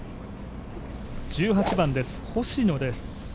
１８番です、星野です。